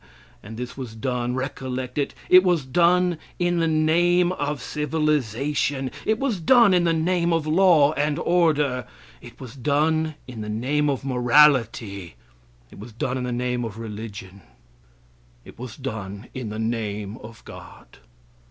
And this was done recollect it it was done in the name of civilization, it was done in the name of law and order, it was done in the name of morality, it was done in the name of religion, it was done in the name of God.